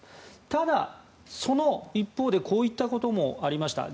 ただ、その一方でこういったこともありました。